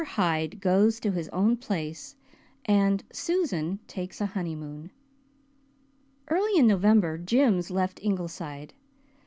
HYDE GOES TO HIS OWN PLACE AND SUSAN TAKES A HONEYMOON Early in November Jims left Ingleside.